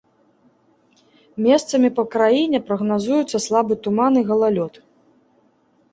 Месцамі па краіне прагназуюцца слабы туман і галалёд.